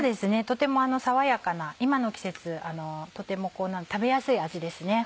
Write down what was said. とても爽やかな今の季節とても食べやすい味ですね。